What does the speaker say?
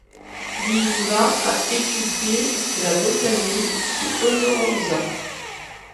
Iinuma a étudié la botanique sous Ono Ranzan.